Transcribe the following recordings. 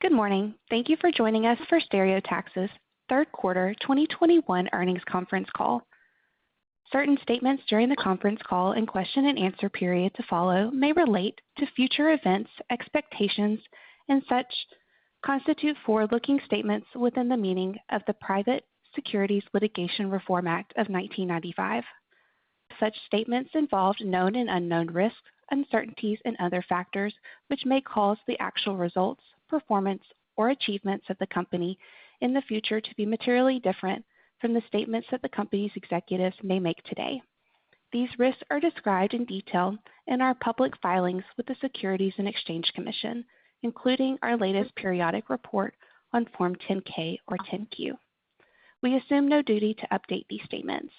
Good morning. Thank you for joining us for Stereotaxis Q3 2021 Earnings Conference Call. Certain statements during the conference call and Q&A period to follow may relate to future events, expectations, and such constitute forward-looking statements within the meaning of the Private Securities Litigation Reform Act of 1995. Such statements involve known and unknown risks, uncertainties and other factors which may cause the actual results, performance, or achievements of the company in the future to be materially different from the statements that the company's executives may make today. These risks are described in detail in our public filings with the Securities and Exchange Commission, including our latest periodic report on form 10-K or 10-Q. We assume no duty to update these statements.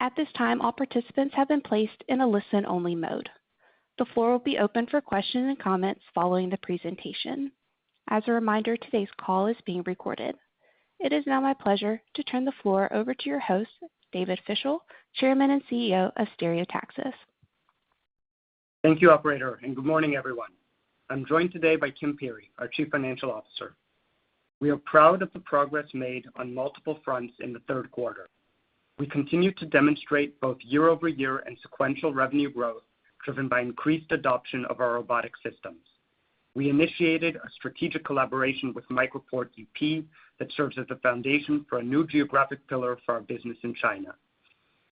At this time, all participants have been placed in a listen-only mode. The floor will be open for questions and comments following the presentation. As a reminder, today's call is being recorded. It is now my pleasure to turn the floor over to your host, David Fischel, Chairman and CEO of Stereotaxis. Thank you, operator, and good morning, everyone. I'm joined today by Kim Peery, our Chief Financial Officer. We are proud of the progress made on multiple fronts in the Q3. We continue to demonstrate both year-over-year and sequential revenue growth, driven by increased adoption of our robotic systems. We initiated a strategic collaboration with MicroPort EP that serves as the foundation for a new geographic pillar for our business in China.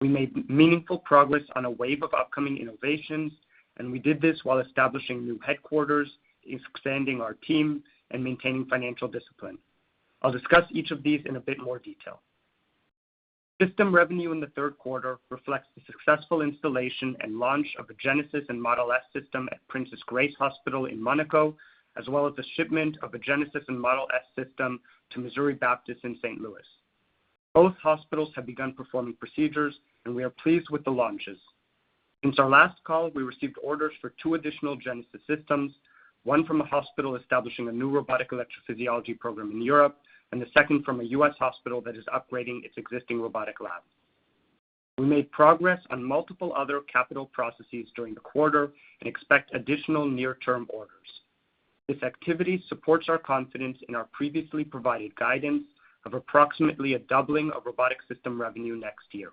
We made meaningful progress on a wave of upcoming innovations, and we did this while establishing new headquarters, expanding our team, and maintaining financial discipline. I'll discuss each of these in a bit more detail. System revenue in the Q3 reflects the successful installation and launch of a Genesis and Model S system at Princess Grace Hospital in Monaco, as well as the shipment of a Genesis and Model S system to Missouri Baptist in St. Louis. Both hospitals have begun performing procedures, and we are pleased with the launches. Since our last call, we received orders for two additional Genesis systems, one from a hospital establishing a new robotic electrophysiology program in Europe, and the second from a U.S. hospital that is upgrading its existing robotic lab. We made progress on multiple other capital processes during the quarter and expect additional near-term orders. This activity supports our confidence in our previously provided guidance of approximately a doubling of robotic system revenue next year.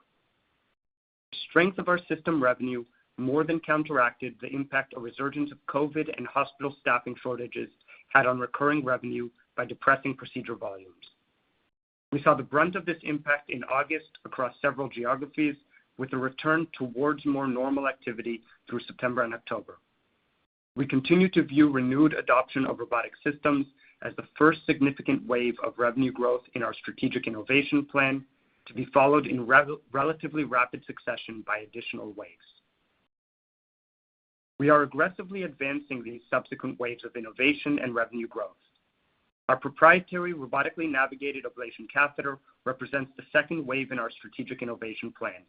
The strength of our system revenue more than counteracted the impact a resurgence of COVID and hospital staffing shortages had on recurring revenue by depressing procedure volumes. We saw the brunt of this impact in August across several geographies, with a return towards more normal activity through September and October. We continue to view renewed adoption of robotic systems as the first significant wave of revenue growth in our strategic innovation plan, to be followed in relatively rapid succession by additional waves. We are aggressively advancing these subsequent waves of innovation and revenue growth. Our proprietary robotically navigated ablation catheter represents the second wave in our strategic innovation plan.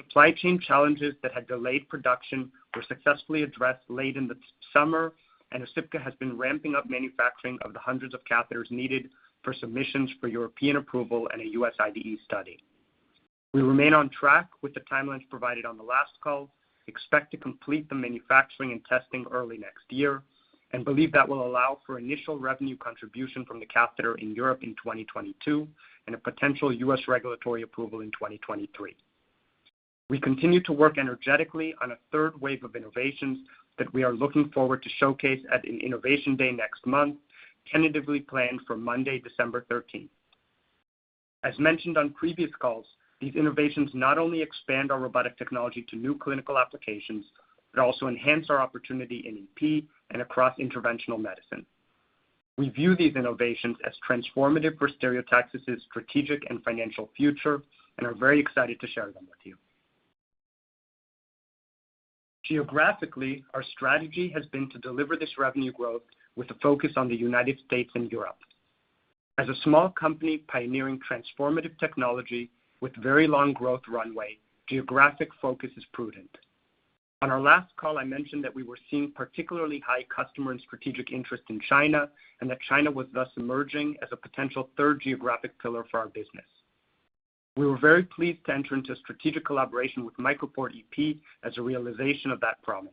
Supply chain challenges that had delayed production were successfully addressed late in the summer, and Osypka has been ramping up manufacturing of the hundreds of catheters needed for submissions for European approval and a U.S. IDE study. We remain on track with the timelines provided on the last call, expect to complete the manufacturing and testing early next year, and believe that will allow for initial revenue contribution from the catheter in Europe in 2022 and a potential U.S. regulatory approval in 2023. We continue to work energetically on a third wave of innovations that we are looking forward to showcase at an innovation day next month, tentatively planned for Monday, December thirteenth. As mentioned on previous calls, these innovations not only expand our robotic technology to new clinical applications, but also enhance our opportunity in EP and across interventional medicine. We view these innovations as transformative for Stereotaxis' strategic and financial future and are very excited to share them with you. Geographically, our strategy has been to deliver this revenue growth with a focus on the United States and Europe. As a small company pioneering transformative technology with very long growth runway, geographic focus is prudent. On our last call, I mentioned that we were seeing particularly high customer and strategic interest in China, and that China was thus emerging as a potential third geographic pillar for our business. We were very pleased to enter into a strategic collaboration with MicroPort EP as a realization of that promise.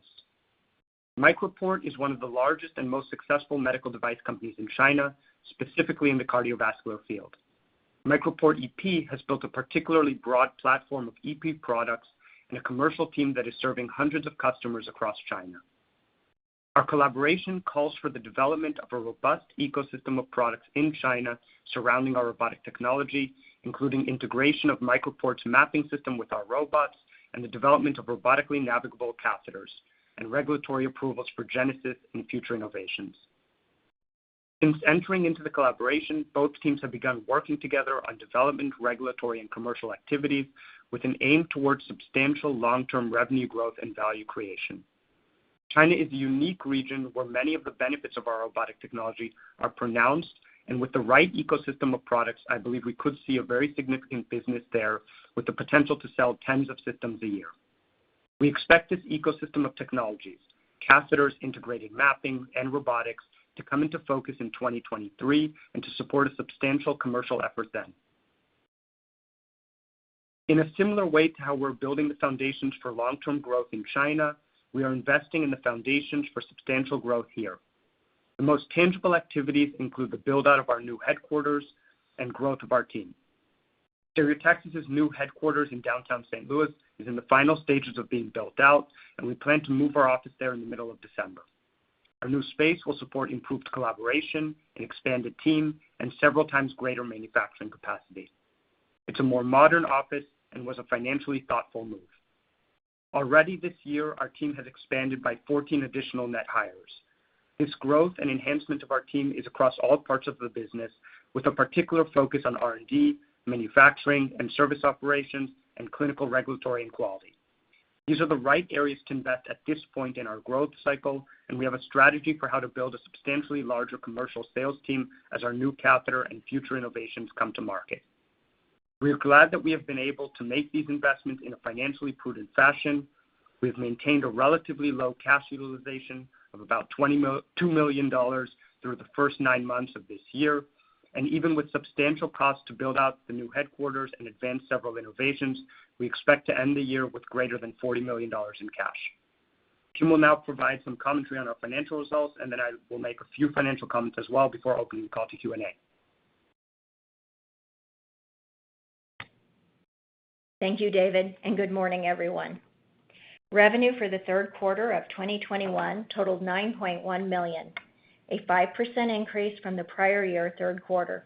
MicroPort is one of the largest and most successful medical device companies in China, specifically in the cardiovascular field. MicroPort EP has built a particularly broad platform of EP products and a commercial team that is serving hundreds of customers across China. Our collaboration calls for the development of a robust ecosystem of products in China surrounding our robotic technology, including integration of MicroPort's mapping system with our robots and the development of robotically navigable catheters and regulatory approvals for Genesis and future innovations. Since entering into the collaboration, both teams have begun working together on development, regulatory, and commercial activities with an aim towards substantial long-term revenue growth and value creation. China is a unique region where many of the benefits of our robotic technology are pronounced, and with the right ecosystem of products, I believe we could see a very significant business there with the potential to sell tens of systems a year. We expect this ecosystem of technologies, catheters, integrated mapping, and robotics to come into focus in 2023 and to support a substantial commercial effort then. In a similar way to how we're building the foundations for long-term growth in China, we are investing in the foundations for substantial growth here. The most tangible activities include the build-out of our new headquarters and growth of our team. Stereotaxis' new headquarters in downtown St. Louis is in the final stages of being built out, and we plan to move our office there in the middle of December. Our new space will support improved collaboration, an expanded team, and several times greater manufacturing capacity. It's a more modern office and was a financially thoughtful move. Already this year, our team has expanded by 14 additional net hires. This growth and enhancement of our team is across all parts of the business, with a particular focus on R&D, manufacturing and service operations, and clinical, regulatory, and quality. These are the right areas to invest at this point in our growth cycle, and we have a strategy for how to build a substantially larger commercial sales team as our new catheter and future innovations come to market. We are glad that we have been able to make these investments in a financially prudent fashion. We have maintained a relatively low cash utilization of about $2 million through the first nine months of this year. Even with substantial costs to build out the new headquarters and advance several innovations, we expect to end the year with greater than $40 million in cash. Kim will now provide some commentary on our financial results, and then I will make a few financial comments as well before opening the call to Q&A. Thank you, David, and good morning, everyone. Revenue for the Q3 of 2021 totaled $9.1 million, a 5% increase from the prior year Q3.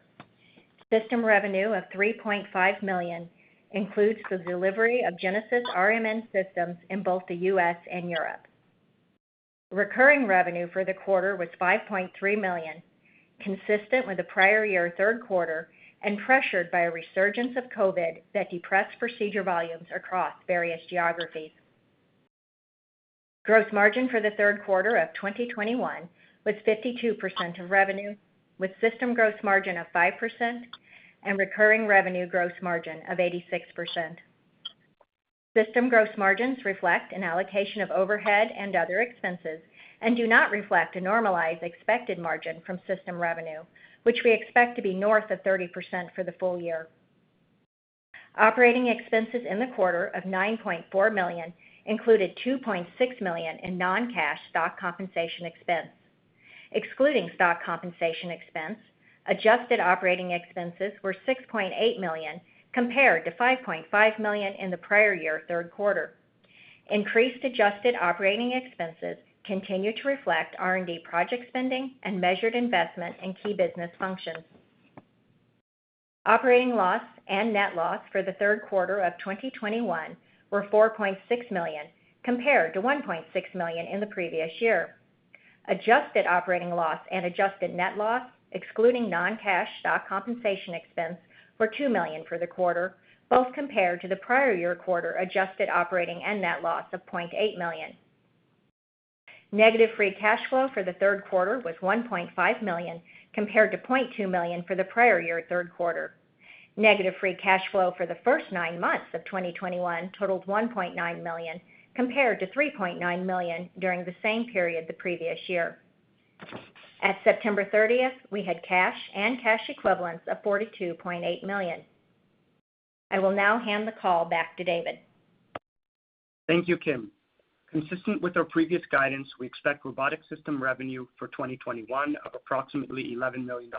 System revenue of $3.5 million includes the delivery of Genesis RMN systems in both the U.S. and Europe. Recurring revenue for the quarter was $5.3 million, consistent with the prior year Q3 and pressured by a resurgence of COVID that depressed procedure volumes across various geographies. Gross margin for the Q3 of 2021 was 52% of revenue, with system gross margin of 5% and recurring revenue gross margin of 86%. System gross margins reflect an allocation of overhead and other expenses and do not reflect a normalized expected margin from system revenue, which we expect to be north of 30% for the full year. Operating expenses in the quarter of $9.4 million included $2.6 million in non-cash stock compensation expense. Excluding stock compensation expense, adjusted operating expenses were $6.8 million compared to $5.5 million in the prior year Q3. Increased adjusted operating expenses continue to reflect R&D project spending and measured investment in key business functions. Operating loss and net loss for the Q3 of 2021 were $4.6 million compared to $1.6 million in the previous year. Adjusted operating loss and adjusted net loss, excluding non-cash stock compensation expense, were $2 million for the quarter, both compared to the prior year quarter adjusted operating and net loss of $0.8 million. Negative free cash flow for the Q3 was $1.5 million compared to $0.2 million for the prior year Q3. Negative free cash flow for the first nine months of 2021 totaled $1.9 million compared to $3.9 million during the same period the previous year. At September 30, we had cash and cash equivalents of $42.8 million. I will now hand the call back to David. Thank you, Kim. Consistent with our previous guidance, we expect robotic system revenue for 2021 of approximately $11 million.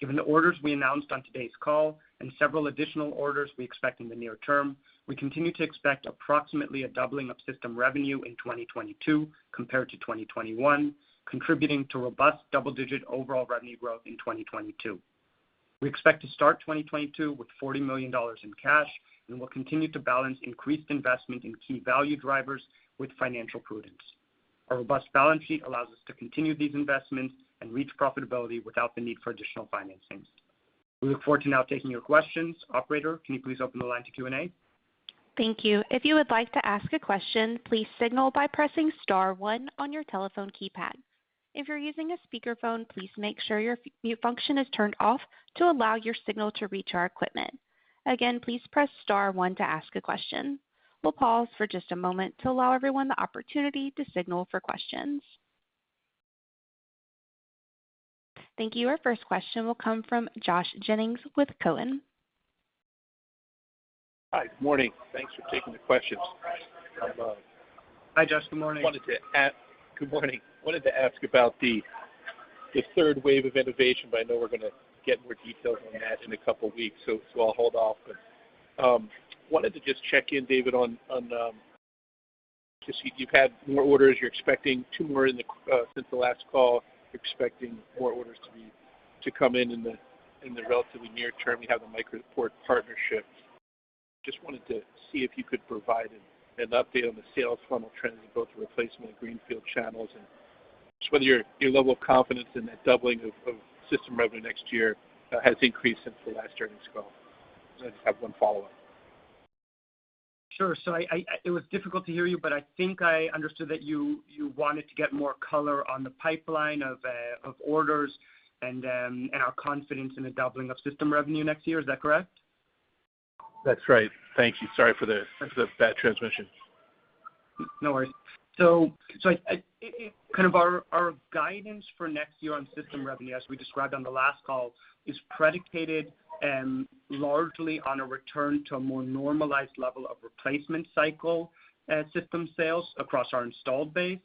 Given the orders we announced on today's call and several additional orders we expect in the near term, we continue to expect approximately a doubling of system revenue in 2022 compared to 2021, contributing to robust double-digit overall revenue growth in 2022. We expect to start 2022 with $40 million in cash, and we'll continue to balance increased investment in key value drivers with financial prudence. Our robust balance sheet allows us to continue these investments and reach profitability without the need for additional financings. We look forward to now taking your questions. Operator, can you please open the line to Q&A? Thank you. If you would like to ask a question, please signal by pressing star one on your telephone keypad. If you're using a speakerphone, please make sure your mute function is turned off to allow your signal to reach our equipment. Again, please press star one to ask a question. We'll pause for just a moment to allow everyone the opportunity to signal for questions. Thank you. Our first question will come from Josh Jennings with Cowen. Hi. Good morning. Thanks for taking the questions. I Hi, Josh. Good morning. Good morning. Wanted to ask about the third wave of innovation, but I know we're gonna get more details on that in a couple weeks, so I'll hold off. Wanted to just check in, David, on you've had more orders. You're expecting two more since the last call. You're expecting more orders to come in the relatively near term. You have the MicroPort partnership. Just wanted to see if you could provide an update on the sales funnel trends in both the replacement and greenfield channels, and just whether your level of confidence in that doubling of system revenue next year has increased since the last earnings call. I just have 1 follow-up. Sure. It was difficult to hear you, but I think I understood that you wanted to get more color on the pipeline of orders and our confidence in the doubling of system revenue next year. Is that correct? That's right. Thank you. Sorry for the. That's okay. For the bad transmission. No worries. Kind of our guidance for next year on system revenue, as we described on the last call, is predicated largely on a return to a more normalized level of replacement cycle system sales across our installed base,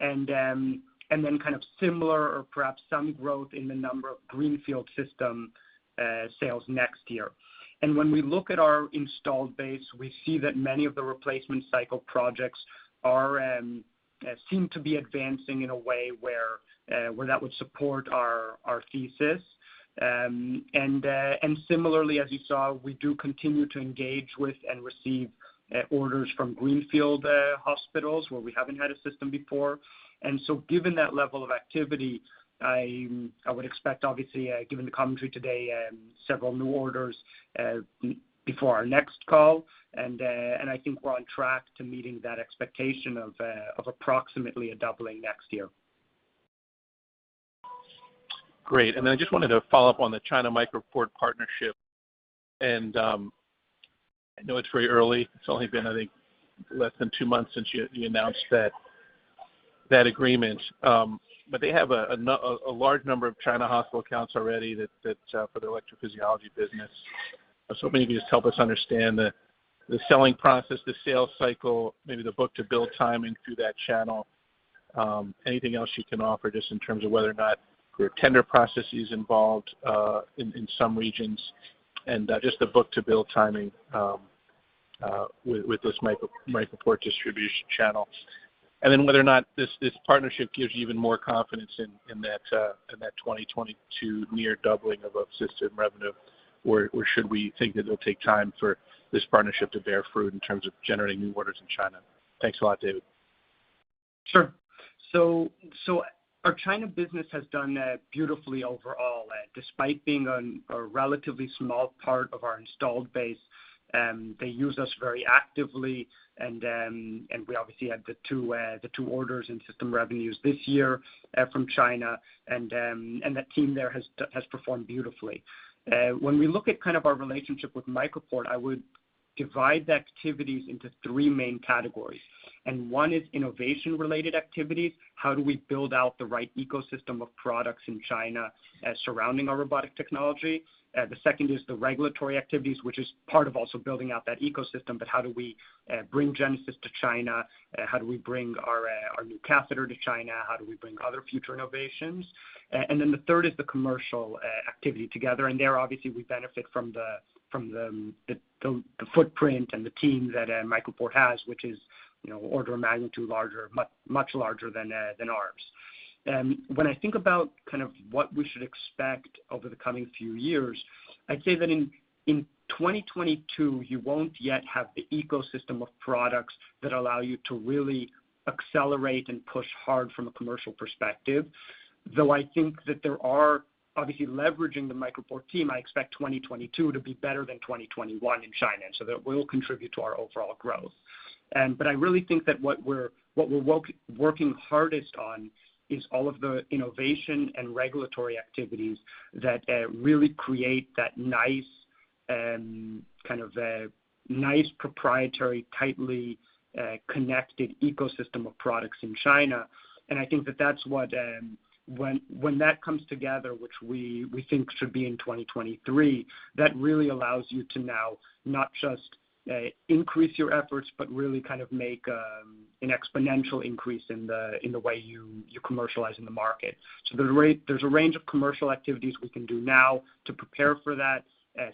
and then kind of similar or perhaps some growth in the number of greenfield system sales next year. When we look at our installed base, we see that many of the replacement cycle projects seem to be advancing in a way where that would support our thesis. Similarly, as you saw, we do continue to engage with and receive orders from greenfield hospitals where we haven't had a system before. Given that level of activity, I would expect obviously, given the commentary today, several new orders before our next call, and I think we're on track to meeting that expectation of approximately a doubling next year. Great. I just wanted to follow up on the China MicroPort partnership. I know it's very early. It's only been, I think, less than two months since you announced that agreement. But they have a large number of Chinese hospital accounts already that for their electrophysiology business. Maybe just help us understand the selling process, the sales cycle, maybe the book-to-bill timing through that channel. Anything else you can offer just in terms of whether or not there are tender processes involved in some regions, and just the book-to-bill timing with this MicroPort distribution channel. Whether or not this partnership gives you even more confidence in that 2022 near doubling of system revenue, or should we think that it'll take time for this partnership to bear fruit in terms of generating new orders in China? Thanks a lot, David. Sure. Our China business has done beautifully overall. Despite being a relatively small part of our installed base, they use us very actively and we obviously had the two orders in system revenues this year from China, and that team there has performed beautifully. When we look at our relationship with MicroPort, I would divide the activities into three main categories. One is innovation-related activities. How do we build out the right ecosystem of products in China surrounding our robotic technology? The second is the regulatory activities, which is part of also building out that ecosystem, but how do we bring Genesis to China? How do we bring our new catheter to China? How do we bring other future innovations? The third is the commercial activity together. There, obviously, we benefit from the footprint and the team that MicroPort has, which is, you know, order of magnitude larger, much larger than ours. When I think about kind of what we should expect over the coming few years, I'd say that in 2022, you won't yet have the ecosystem of products that allow you to really accelerate and push hard from a commercial perspective, though I think that there are obviously leveraging the MicroPort team. I expect 2022 to be better than 2021 in China, so that will contribute to our overall growth. I really think that what we're working hardest on is all of the innovation and regulatory activities that really create that nice kind of nice proprietary, tightly connected ecosystem of products in China. I think that that's what, when that comes together, which we think should be in 2023, that really allows you to now not just increase your efforts, but really kind of make an exponential increase in the way you commercialize in the market. There's a range of commercial activities we can do now to prepare for that.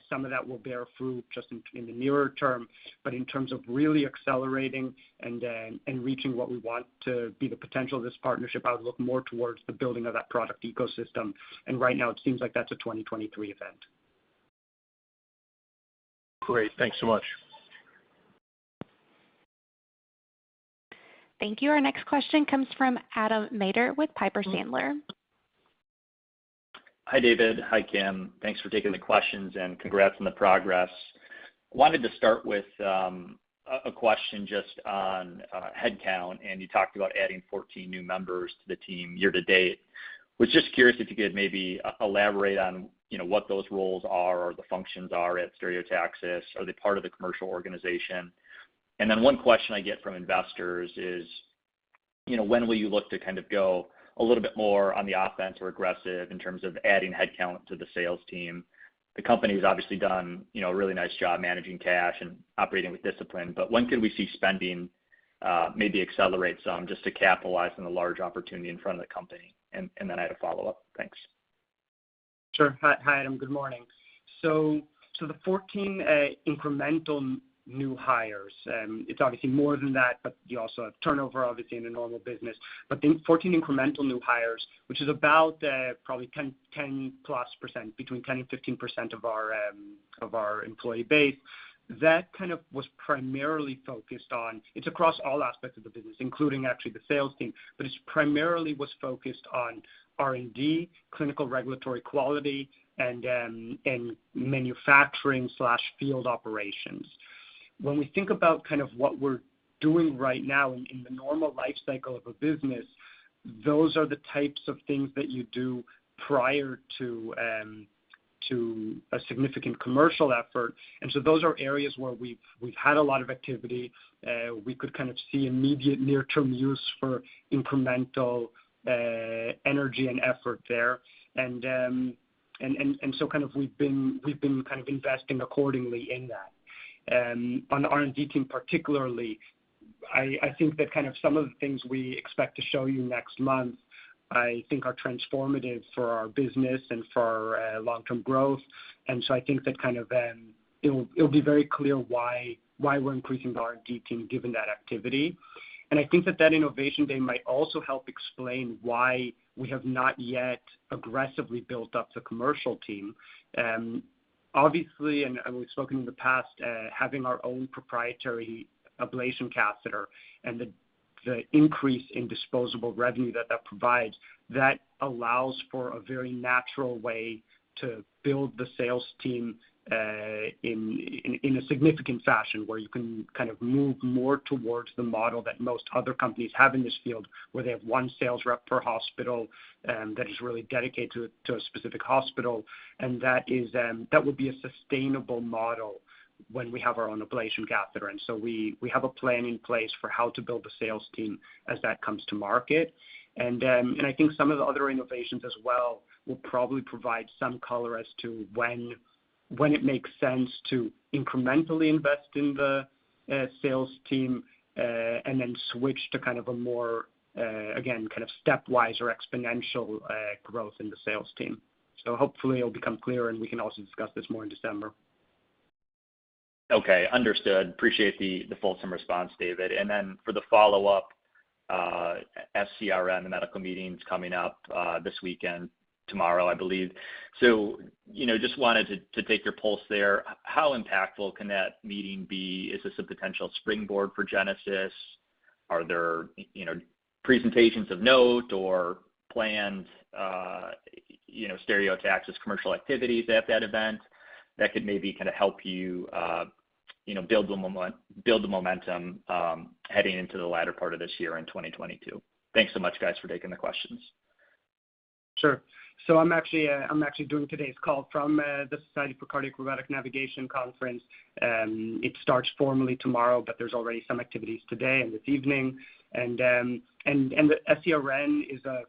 Some of that will bear fruit just in the nearer term. In terms of really accelerating and reaching what we want to be the potential of this partnership, I would look more towards the building of that product ecosystem. Right now, it seems like that's a 2023 event. Great. Thanks so much. Thank you. Our next question comes from Adam Maeder with Piper Sandler. Hi, David. Hi, Kim. Thanks for taking the questions, and congrats on the progress. I wanted to start with a question just on headcount. You talked about adding 14 new members to the team year to date. Was just curious if you could maybe elaborate on, you know, what those roles are or the functions are at Stereotaxis. Are they part of the commercial organization? One question I get from investors is, you know, when will you look to kind of go a little bit more on the offense or aggressive in terms of adding headcount to the sales team? The company's obviously done, you know, a really nice job managing cash and operating with discipline, but when could we see spending maybe accelerate some just to capitalize on the large opportunity in front of the company? Then I had a follow-up. Thanks. Sure. Hi, Adam. Good morning. The 14 incremental new hires, it's obviously more than that, but you also have turnover obviously in a normal business. The 14 incremental new hires, which is about, probably 10-plus percent, between 10%-15% of our employee base, that kind of was primarily focused on. It's across all aspects of the business, including actually the sales team, but it's primarily was focused on R&D, clinical regulatory quality, and manufacturing slash field operations. When we think about kind of what we're doing right now in the normal life cycle of a business, those are the types of things that you do prior to a significant commercial effort. Those are areas where we've had a lot of activity. We could kind of see immediate near-term use for incremental energy and effort there. We've been kind of investing accordingly in that. On the R&D team particularly, I think that kind of some of the things we expect to show you next month, I think are transformative for our business and for long-term growth. I think that kind of it'll be very clear why we're increasing the R&D team given that activity. I think that innovation day might also help explain why we have not yet aggressively built up the commercial team. Obviously, we've spoken in the past, having our own proprietary ablation catheter and the increase in disposable revenue that that provides, that allows for a very natural way to build the sales team, in a significant fashion where you can kind of move more towards the model that most other companies have in this field, where they have one sales rep per hospital, that is really dedicated to a specific hospital. That would be a sustainable model when we have our own ablation catheter. We have a plan in place for how to build the sales team as that comes to market. I think some of the other innovations as well will probably provide some color as to when it makes sense to incrementally invest in the sales team, and then switch to kind of a more, again, kind of stepwise or exponential growth in the sales team. Hopefully it'll become clearer, and we can also discuss this more in December. Okay, understood. Appreciate the fulsome response, David. Then for the follow-up, SCR on the medical meetings coming up this weekend, tomorrow, I believe. You know, just wanted to take your pulse there. How impactful can that meeting be? Is this a potential springboard for Genesis? Are there you know, presentations of note or plans, you know, Stereotaxis commercial activities at that event that could maybe kinda help you know, build the momentum heading into the latter part of this year in 2022? Thanks so much, guys, for taking the questions. Sure. I'm actually doing today's call from the Society for Cardiac Robotic Navigation conference. It starts formally tomorrow, but there's already some activities today and this evening. The SCRN is an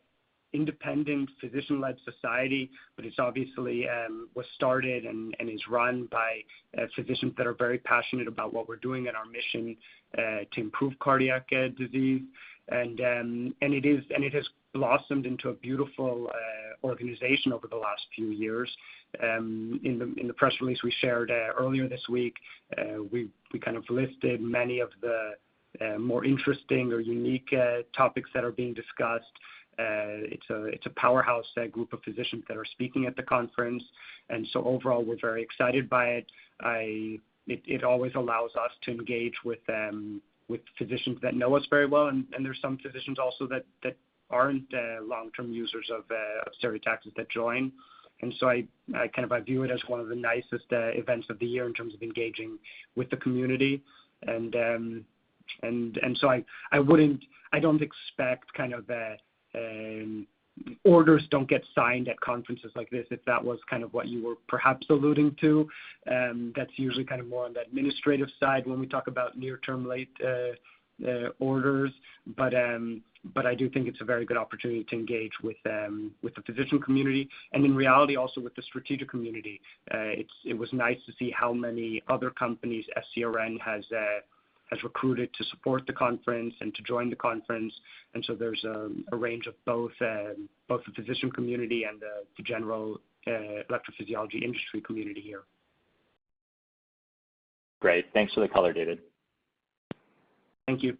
independent physician-led society, but it's obviously was started and is run by physicians that are very passionate about what we're doing and our mission to improve cardiac disease. It has blossomed into a beautiful organization over the last few years. In the press release we shared earlier this week, we kind of listed many of the more interesting or unique topics that are being discussed. It's a powerhouse group of physicians that are speaking at the conference. Overall, we're very excited by it. It always allows us to engage with physicians that know us very well. There's some physicians also that aren't long-term users of Stereotaxis that join. I kind of view it as one of the nicest events of the year in terms of engaging with the community. I don't expect kind of that orders don't get signed at conferences like this, if that was kind of what you were perhaps alluding to. That's usually kind of more on the administrative side when we talk about near-term late orders. I do think it's a very good opportunity to engage with the physician community, and in reality also with the strategic community. It was nice to see how many other companies SCRN has recruited to support the conference and to join the conference. There's a range of both the physician community and the general electrophysiology industry community here. Great. Thanks for the color, David. Thank you.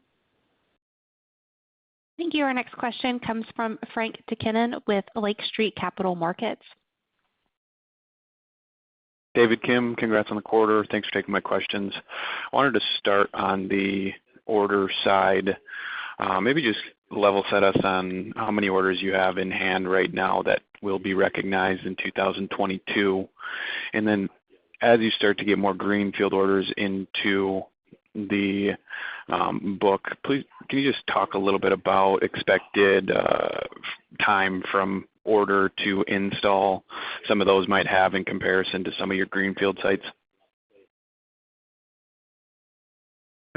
Thank you. Our next question comes from Frank Takkinen with Lake Street Capital Markets. David, Kim. Congrats on the quarter. Thanks for taking my questions. I wanted to start on the order side. Maybe just level set us on how many orders you have in hand right now that will be recognized in 2022. Then as you start to get more greenfield orders into the book, please, can you just talk a little bit about expected time from order to install. Some of those might have in comparison to some of your greenfield sites?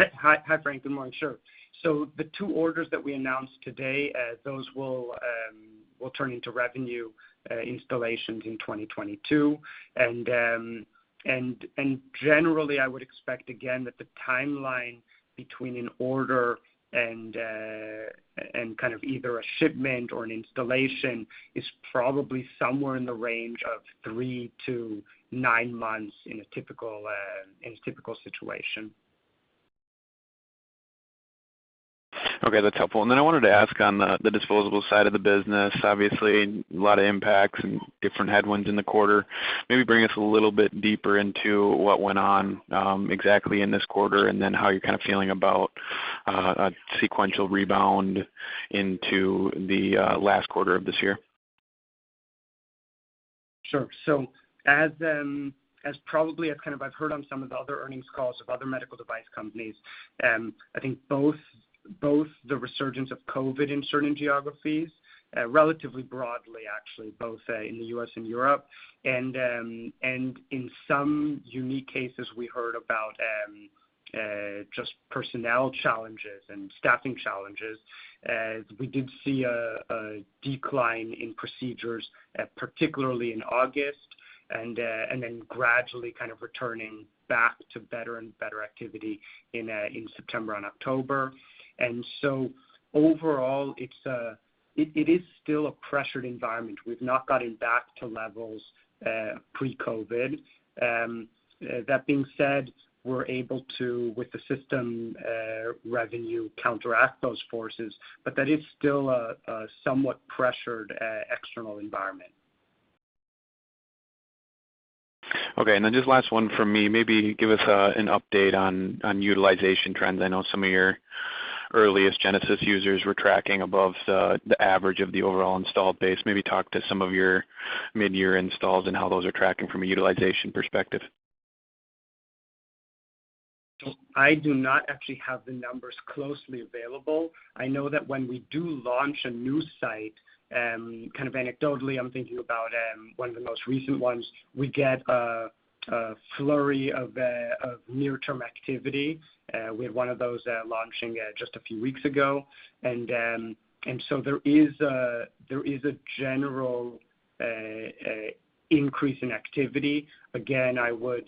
Hi, Frank. Good morning. Sure. The two orders that we announced today, those will turn into revenue installations in 2022. Generally, I would expect again that the timeline between an order and kind of either a shipment or an installation is probably somewhere in the range of three to nine months in a typical situation. Okay, that's helpful. I wanted to ask on the disposable side of the business, obviously a lot of impacts and different headwinds in the quarter. Maybe bring us a little bit deeper into what went on exactly in this quarter, and then how you're kind of feeling about a sequential rebound into the last quarter of this year. Sure. As probably I've kind of heard on some of the other earnings calls of other medical device companies, I think both the resurgence of COVID in certain geographies, relatively broadly, actually, both in the U.S. and Europe. In some unique cases we heard about, just personnel challenges and staffing challenges, we did see a decline in procedures, particularly in August, and then gradually kind of returning back to better and better activity in September and October. Overall it's still a pressured environment. We've not gotten back to levels pre-COVID. That being said, we're able to with the system revenue counteract those forces, but that is still a somewhat pressured external environment. Okay. Then just last one from me, maybe give us an update on utilization trends. I know some of your earliest Genesis users were tracking above the average of the overall installed base. Maybe talk to some of your mid-year installs and how those are tracking from a utilization perspective. I do not actually have the numbers closely available. I know that when we do launch a new site, kind of anecdotally, I'm thinking about one of the most recent ones, we get a flurry of near-term activity. We had one of those launching just a few weeks ago. There is a general increase in activity. Again, I wouldn't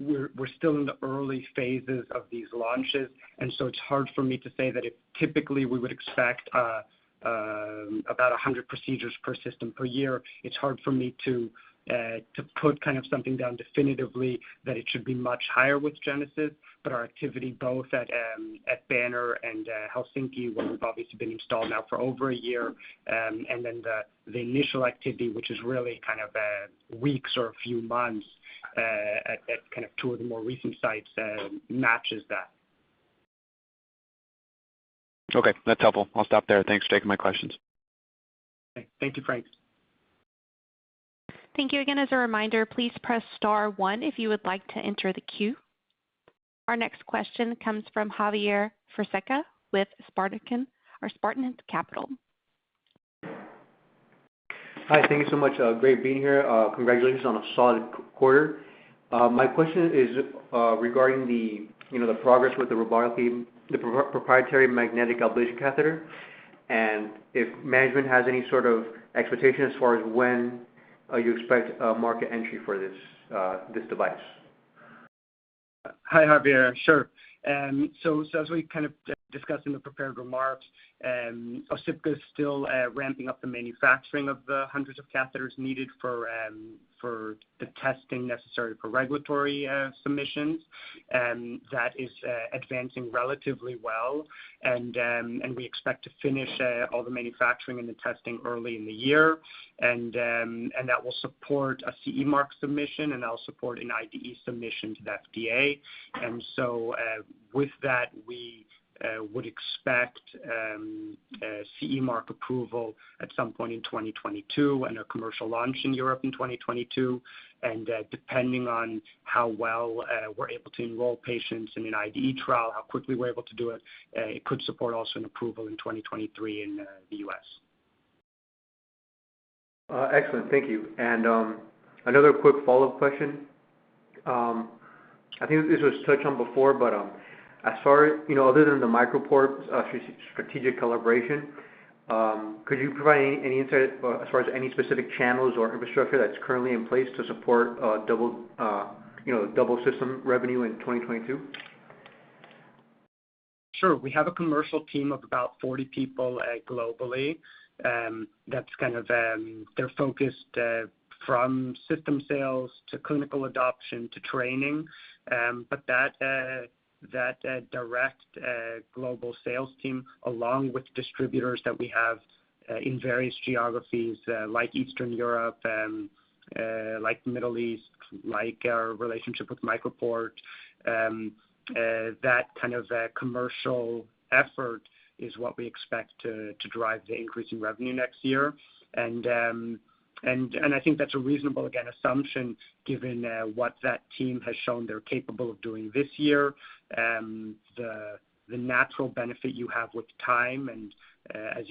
we're still in the early phases of these launches, and so it's hard for me to say that it typically we would expect about 100 procedures per system per year. It's hard for me to put kind of something down definitively that it should be much higher with Genesis. Our activity both at Banner and Helsinki, where we've obviously been installed now for over a year, and then the initial activity, which is really kind of weeks or a few months, at kind of two of the more recent sites, matches that. Okay, that's helpful. I'll stop there. Thanks for taking my questions. Thank you, Frank. Thank you again. As a reminder, please press star one if you would like to enter the queue. Our next question comes from Javier Fonseca with Spartan Capital. Hi. Thank you so much. Great being here. Congratulations on a solid quarter. My question is regarding, you know, the progress with the proprietary magnetic ablation catheter, and if management has any sort of expectation as far as when you expect market entry for this device. Hi, Javier. Sure. As we kind of discussed in the prepared remarks, Osypka is still ramping up the manufacturing of the hundreds of catheters needed for the testing necessary for regulatory submissions. That is advancing relatively well. We expect to finish all the manufacturing and the testing early in the year. That will support a CE mark submission, and that'll support an IDE submission to the FDA. With that, we would expect a CE mark approval at some point in 2022 and a commercial launch in Europe in 2022. Depending on how well we're able to enroll patients in an IDE trial, how quickly we're able to do it could support also an approval in 2023 in the U.S. Excellent. Thank you. Another quick follow-up question. I think this was touched on before, but as far as, you know, other than the MicroPort strategic collaboration, could you provide any insight as far as any specific channels or infrastructure that's currently in place to support double system revenue in 2022? Sure. We have a commercial team of about 40 people, globally. That's kind of, they're focused from system sales to clinical adoption to training. But that direct global sales team, along with distributors that we have in various geographies like Eastern Europe, like Middle East, like our relationship with MicroPort, that kind of commercial effort is what we expect to drive the increase in revenue next year. I think that's a reasonable, again, assumption given what that team has shown they're capable of doing this year. The natural benefit you have with time and as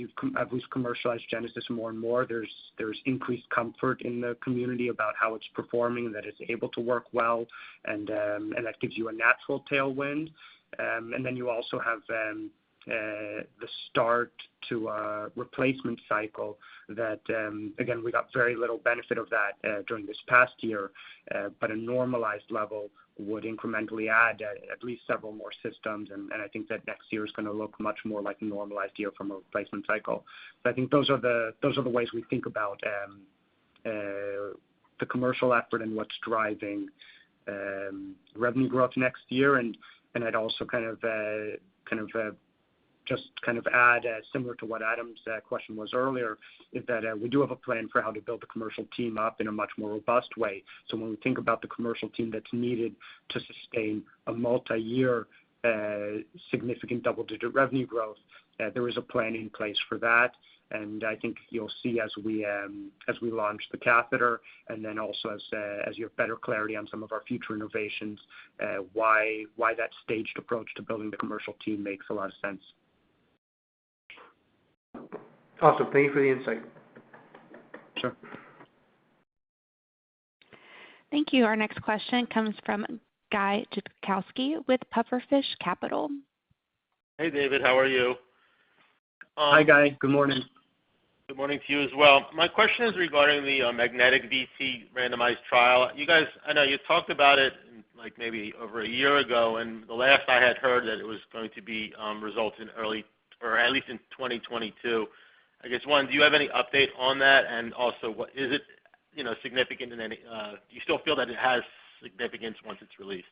we've commercialized Genesis more and more, there's increased comfort in the community about how it's performing, that it's able to work well, and that gives you a natural tailwind. Then you also have the start to a replacement cycle that, again, we got very little benefit of that during this past year. A normalized level would incrementally add at least several more systems, and I think that next year is gonna look much more like a normalized year from a replacement cycle. I think those are the ways we think about the commercial effort and what's driving revenue growth next year. I'd also kind of just add similar to what Adam's question was earlier, is that we do have a plan for how to build the commercial team up in a much more robust way. When we think about the commercial team that's needed to sustain a multiyear significant double-digit revenue growth. There is a plan in place for that, and I think you'll see as we launch the catheter and then also as you have better clarity on some of our future innovations, why that staged approach to building the commercial team makes a lot of sense. Awesome. Thank you for the insight. Sure. Thank you. Our next question comes from Guy Judkowski with Pufferfish Capital. Hey, David. How are you? Hi, Guy. Good morning. Good morning to you as well. My question is regarding the magnetic VT randomized trial. You guys, I know you talked about it, like, maybe over a year ago, and the last I had heard that it was going to be results in early or at least in 2022. I guess, one, do you have any update on that? Also, is it, you know, significant in any way. Do you still feel that it has significance once it's released?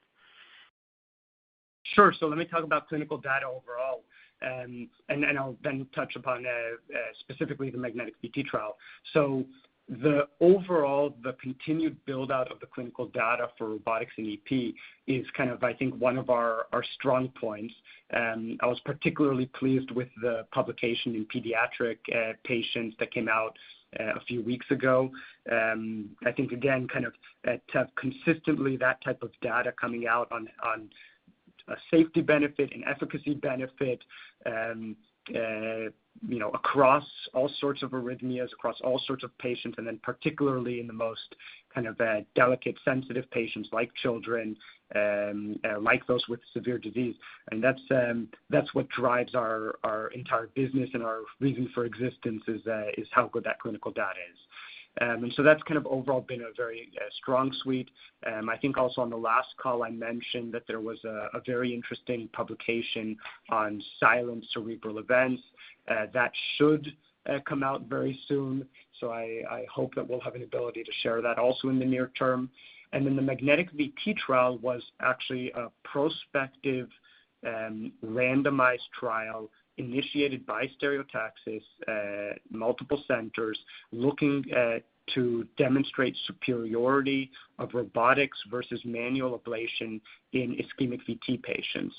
Sure. Let me talk about clinical data overall, and then I'll touch upon specifically the magnetic VT trial. The overall continued build-out of the clinical data for robotics in EP is kind of, I think, one of our strong points. I was particularly pleased with the publication in pediatric patients that came out a few weeks ago. I think again, kind of, to have consistently that type of data coming out on a safety benefit and efficacy benefit, you know, across all sorts of arrhythmias, across all sorts of patients, and then particularly in the most kind of delicate, sensitive patients like children, like those with severe disease. That's what drives our entire business and our reason for existence is how good that clinical data is. That's kind of overall been a very strong suite. I think also on the last call, I mentioned that there was a very interesting publication on silent cerebral events that should come out very soon. I hope that we'll have an ability to share that also in the near term. The magnetic VT trial was actually a prospective randomized trial initiated by Stereotaxis at multiple centers looking to demonstrate superiority of robotics versus manual ablation in ischemic VT patients.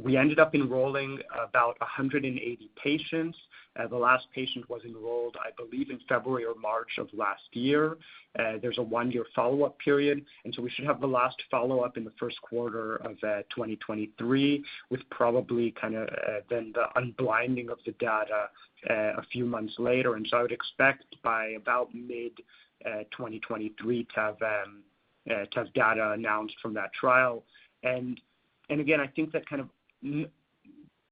We ended up enrolling about 180 patients. The last patient was enrolled, I believe, in February or March of last year. There's a one-year follow-up period, and so we should have the last follow-up in the Q1 of 2023, with probably kinda, then the unblinding of the data a few months later. I would expect by about mid-2023 to have data announced from that trial. Again, I think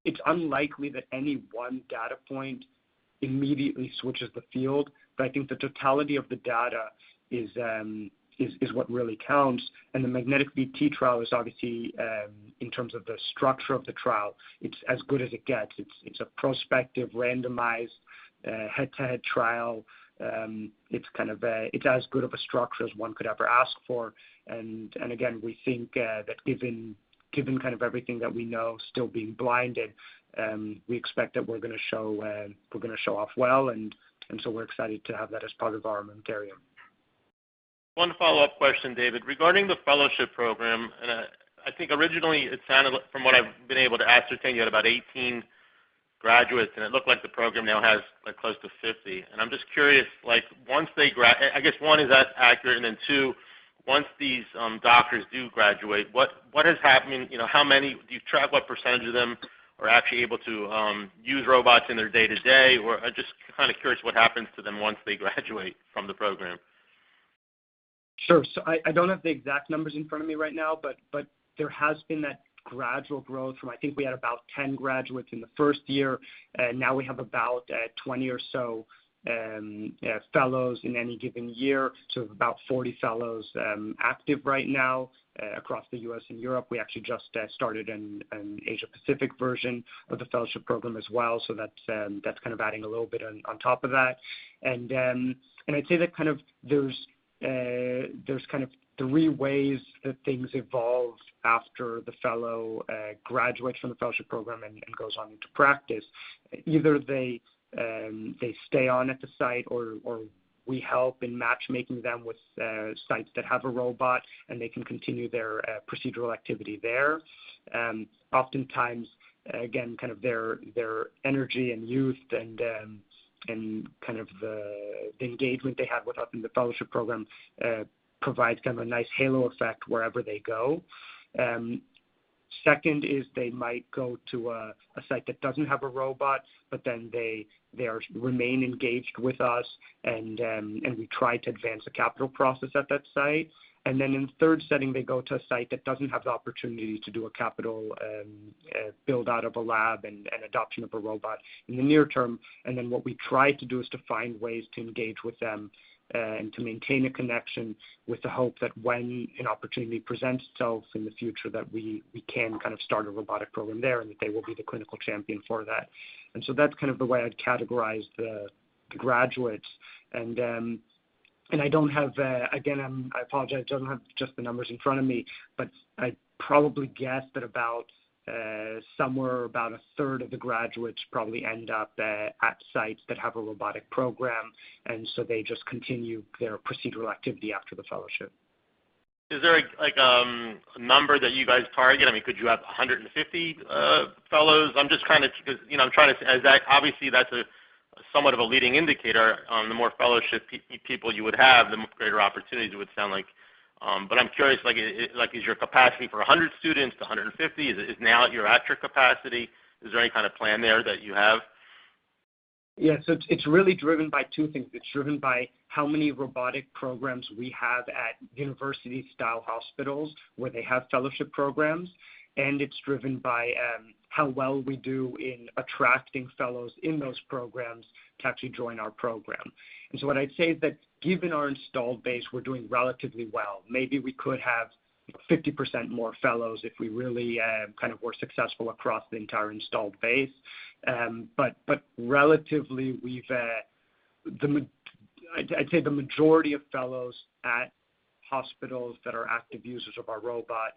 it's unlikely that any one data point immediately switches the field, but I think the totality of the data is what really counts. The magnetic VT trial is obviously in terms of the structure of the trial, it's as good as it gets. It's a prospective randomized head-to-head trial. It's as good of a structure as one could ever ask for. Again, we think that given kind of everything that we know still being blinded, we expect that we're gonna show off well, so we're excited to have that as part of our inventarium. One follow-up question, David. Regarding the fellowship program, I think originally it sounded like from what I've been able to ascertain, you had about 18 graduates, and it looked like the program now has, like, close to 50. I'm just curious, like, I guess one, is that accurate? Two, once these doctors do graduate, what is happening? You know, do you track what percentage of them are actually able to use robots in their day-to-day? I'm just kinda curious what happens to them once they graduate from the program. Sure. I don't have the exact numbers in front of me right now, but there has been that gradual growth from, I think, we had about 10 graduates in the first year, and now we have about 20 or so fellows in any given year to about 40 fellows active right now across the U.S. and Europe. We actually just started an Asia Pacific version of the fellowship program as well. That's kind of adding a little bit on top of that. I'd say that kind of there's three ways that things evolve after the fellow graduates from the fellowship program and goes on into practice. Either they stay on at the site or we help in matchmaking them with sites that have a robot, and they can continue their procedural activity there. Oftentimes, again, kind of their energy and youth and kind of the engagement they have with us in the fellowship program provides kind of a nice halo effect wherever they go. Second is they might go to a site that doesn't have a robot, but then they remain engaged with us and we try to advance the capital process at that site. Then in the third setting, they go to a site that doesn't have the opportunity to do a capital build-out of a lab and adoption of a robot in the near term. What we try to do is to find ways to engage with them and to maintain a connection with the hope that when an opportunity presents itself in the future, that we can kind of start a robotic program there and that they will be the clinical champion for that. That's kind of the way I'd categorize the graduates. I don't have again, I apologize, just the numbers in front of me, but I'd probably guess that about somewhere about a third of the graduates probably end up at sites that have a robotic program, and they just continue their procedural activity after the fellowship. Is there, like, a number that you guys target? I mean, could you have 150 fellows? Obviously, that's somewhat of a leading indicator on the more fellowship people you would have, the greater opportunities it would sound like. I'm curious, like, is your capacity for 100 students to 150? Is it now you're at your capacity? Is there any kind of plan there that you have? Yeah. It's really driven by two things. It's driven by how many robotic programs we have at university-style hospitals where they have fellowship programs, and it's driven by how well we do in attracting fellows in those programs to actually join our program. What I'd say is that given our installed base, we're doing relatively well. Maybe we could have 50% more fellows if we really kind of were successful across the entire installed base. But relatively, I'd say the majority of fellows at hospitals that are active users of our robot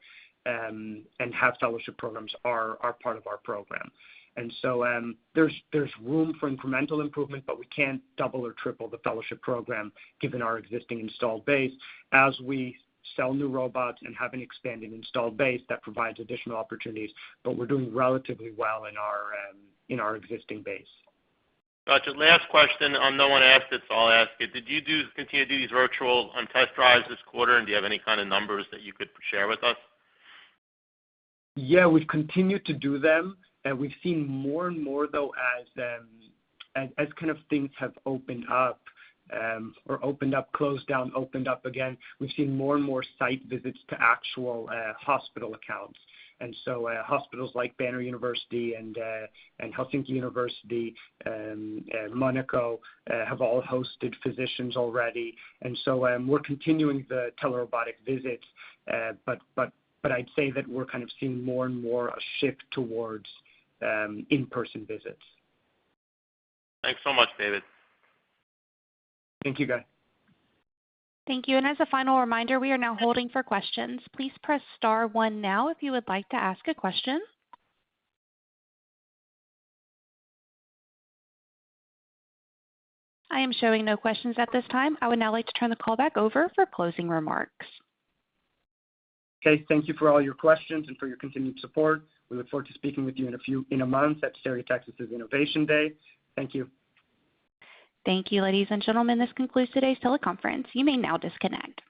and have fellowship programs are part of our program. There's room for incremental improvement, but we can't double or triple the fellowship program given our existing installed base. As we sell new robots and have an expanding installed base, that provides additional opportunities, but we're doing relatively well in our existing base. Gotcha. Last question. No one asked it, so I'll ask it. Did you continue to do these virtual test drives this quarter? And do you have any kind of numbers that you could share with us? Yeah, we've continued to do them, and we've seen more and more, though, as kind of things have opened up, or opened up, closed down, opened up again, we've seen more and more site visits to actual hospital accounts. Hospitals like Banner University and Helsinki University, Monaco, have all hosted physicians already. We're continuing the telerobotic visits. But I'd say that we're kind of seeing more and more a shift towards in-person visits. Thanks so much, David. Thank you, Guy. Thank you. As a final reminder, we are now holding for questions. Please press star one now if you would like to ask a question. I am showing no questions at this time. I would now like to turn the call back over for closing remarks. Okay. Thank you for all your questions and for your continued support. We look forward to speaking with you in a month at Stereotaxis' Innovation Day. Thank you. Thank you, ladies and gentlemen. This concludes today's teleconference. You may now disconnect.